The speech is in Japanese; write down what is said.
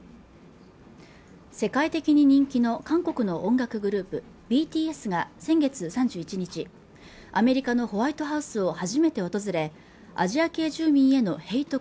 世界的に人気の韓国の音楽グループＢＴＳが先月３１日アメリカのホワイトハウスを初めて訪れアジア系住民へのヘイト